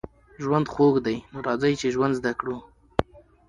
ژوند خوږ دی نو راځئ چې ژوند زده کړو